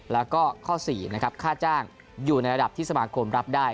แล้วก็ข้อ๔นะครับค่าจ้างอยู่ในระดับที่สมาคมรับได้